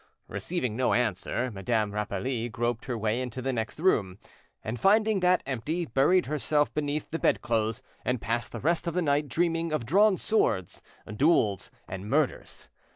Receiving no answer, Madame Rapally groped her way into the next room, and finding that empty, buried herself beneath the bedclothes, and passed the rest of the night dreaming of drawn swords, duels, and murders.